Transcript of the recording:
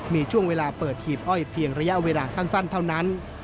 มีช่วงเวลาเปิดหีบอ้อยเพียงระยะเวลาสั้นเท่านั้น